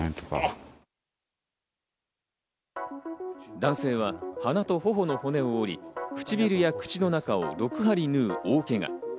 男性は鼻と頬の骨を折り、唇や口の中を６針縫うケガ。